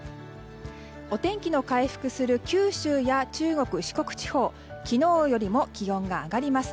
お天気の回復する九州や中国、四国地方昨日より気温が上がります。